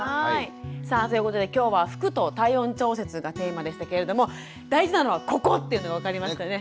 さあということで今日は「服と体温調節」がテーマでしたけれども大事なのはここっていうのが分かりましたね。